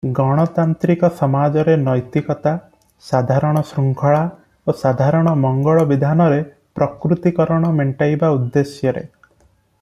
ଗଣତାନ୍ତ୍ରିକ ସମାଜରେ ନୈତିକତା, ସାଧାରଣ ଶୃଙ୍ଖଳା ଓ ସାଧାରଣ ମଙ୍ଗଳ ବିଧାନର ପ୍ରକୃତି କରଣ ମେଣ୍ଟାଇବା ଉଦ୍ଦେଶ୍ୟରେ ।